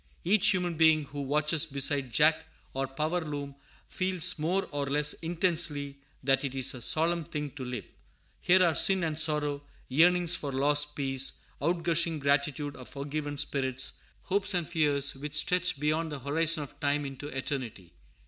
Each human being who watches beside jack or power loom feels more or less intensely that it is a solemn thing to live. Here are sin and sorrow, yearnings for lost peace, outgushing gratitude of forgiven spirits, hopes and fears, which stretch beyond the horizon of time into eternity.